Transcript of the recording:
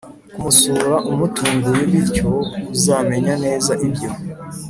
kumusura umutunguye bintyo uzamenya neza ibyo